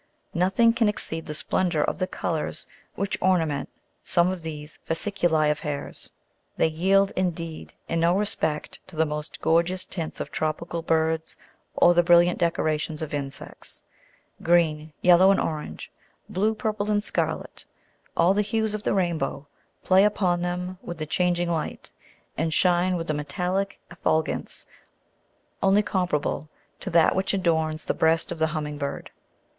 Nothing can exceed the splendour of the colours which ornament some of these fasciculi of hairs ; they yield, indeed, in no respect to the most gorgeous tints of tropical birds or the brilliant decorations of insects : green, yellow, and orange, blue, purple, and scarlet, all the hues 'EUNICE.' of the rainbow play upon them with the changing light, and shine with the metallic effulgence only comparable to that which adorns the breast of the humming bird.